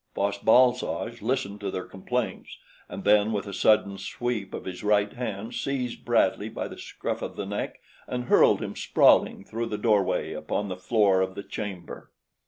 Fosh bal soj listened to their complaints and then with a sudden sweep of his right hand seized Bradley by the scruff of the neck and hurled him sprawling through the doorway upon the floor of the chamber.